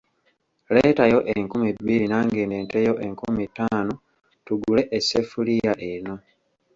Leetayo enkumi bbiri nange ndeeteyo enkumi ttaano tugule esseffuliya eno.